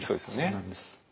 そうなんです。